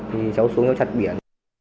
thì cháu xuống nhau chặt biển